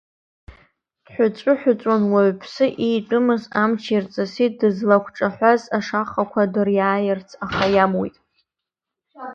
Дҳәыҵәыҳәыҵәуан, уаҩԥсы иитәымыз амч ирҵысит, дызлақәҿаҳәаз ашахақәа дыриааирц, аха иамуит.